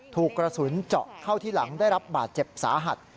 ถูกกระสุนเจาะเข้าที่หลังได้รับบาดเจ็บสาหัส